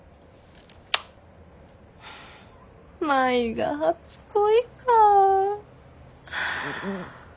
舞が初恋かぁ。